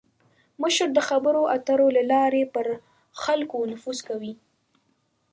مشر د خبرو اترو له لارې پر خلکو نفوذ کوي.